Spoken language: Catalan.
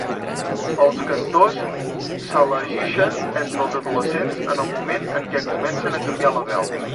Els cantors s'elegixen entre els adolescents en el moment en què comencen a canviar la veu.